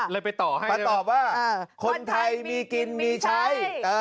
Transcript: ไปต่อให้มาตอบว่าคนไทยมีกินมีใช้